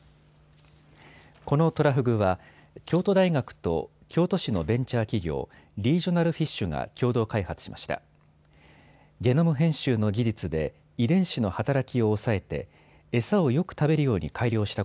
このトラフグは京都大学と京都市のベンチャー企業、リージョナルフィッシュが共同開発しました。